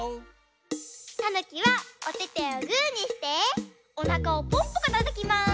たぬきはおててをグーにしておなかをポンポコたたきます！